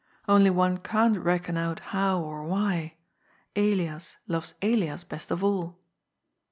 Only one can't reckon out how or why. Elias loves Elias best of all."